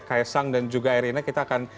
kaisang dan juga erina kita akan